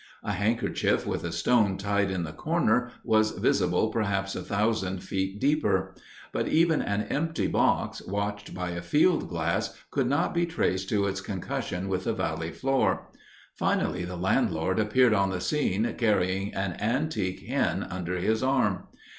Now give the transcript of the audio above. A handkerchief with a stone tied in the corner, was visible perhaps a thousand feet deeper; but even an empty box, watched by a field glass, could not be traced to its concussion with the Valley floor. Finally, the landlord appeared on the scene, carrying an antique hen under his arm.